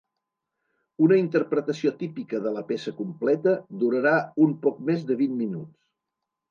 Una interpretació típica de la peça completa durarà un poc més de vint minuts.